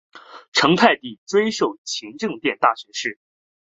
成泰帝追授勤政殿大学士。